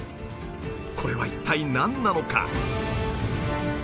これは一体何なのか？